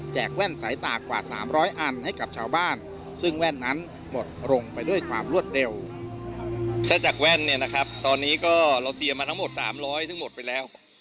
แล้วจากแว่นนะครับตอนนี้ทำมา๓๐๐ซักหมดแล้ว